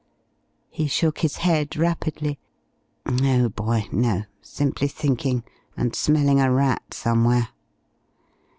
He shook his head rapidly. "No, boy, no. Simply thinking, and smelling a rat somewhere."